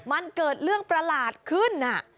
มันเกิดเรื่องประหลาดขึ้น